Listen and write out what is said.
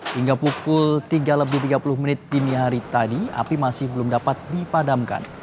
hingga pukul tiga lebih tiga puluh menit dini hari tadi api masih belum dapat dipadamkan